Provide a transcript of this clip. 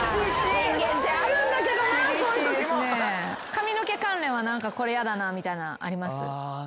髪の毛関連はこれ嫌だなみたいなあります？